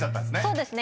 そうです。